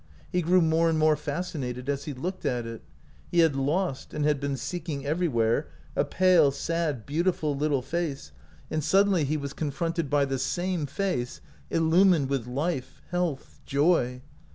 He grew more and more fascinated as he looked at it. He had lost, and had been seeking everywhere, a pale, sad, beau tiful little face, and suddenly he was con 186 OUT OF BOHEMIA fronted by the same face illumined with life, health, joy.